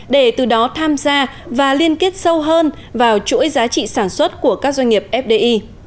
để từ đó tham gia và liên kết sâu hơn vào chuỗi giá trị sản xuất của các doanh nghiệp fdi